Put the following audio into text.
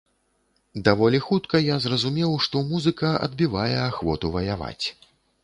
Даволі хутка я зразумеў, што музыка адбівае ахвоту ваяваць.